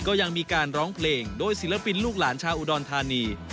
ก็ยังมีการร้องเพลงโดยศิลปินลูกหลานชาวอุดรธานี